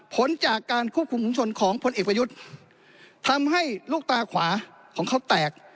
ผลจากการควบคุมภูมิชนของพลเอกประยุทธ์ทำให้ลูกตาขวาของเขาแตก